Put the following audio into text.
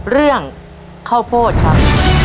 เรื่องข้าวโพดครับ